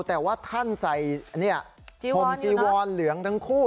แต่ว่าท่านใส่ห่มจีวอนเหลืองทั้งคู่